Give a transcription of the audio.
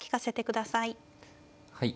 はい。